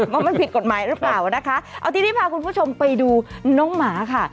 ว่ามันผิดกฎหมายหรือเปล่านะคะเอาทีนี้พาคุณผู้ชมไปดูน้องหมาค่ะ